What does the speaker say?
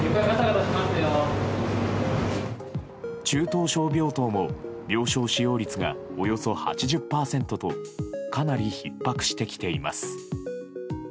中等症病棟も病床使用率がおよそ８０％とかなりひっ迫してきています。